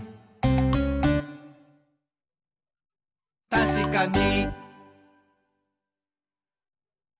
「たしかに！」